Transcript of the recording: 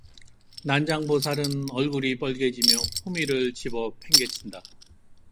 난장보살은 얼굴이 벌개지며 호미를 집어 팽개친다.